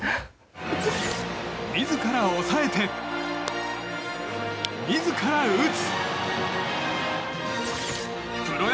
自ら抑えて、自ら打つ！